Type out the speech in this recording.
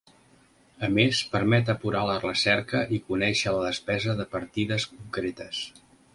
A més, permet apurar la recerca i conèixer la despesa de partides concretes.